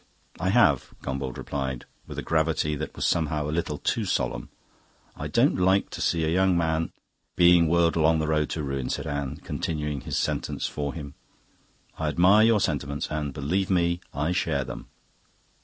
"I have," Gombauld replied, with a gravity that was somehow a little too solemn. "I don't like to see a young man..." "...being whirled along the road to ruin," said Anne, continuing his sentence for him. "I admire your sentiments and, believe me, I share them."